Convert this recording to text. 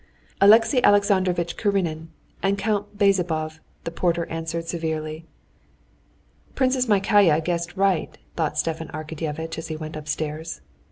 "Alexey Alexandrovitch Karenin and Count Bezzubov," the porter answered severely. "Princess Myakaya guessed right," thought Stepan Arkadyevitch, as he went upstairs.